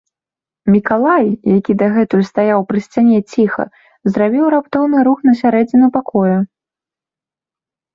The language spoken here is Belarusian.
Мікалай, які дагэтуль стаяў пры сцяне ціха, зрабіў раптоўны рух на сярэдзіну пакоя.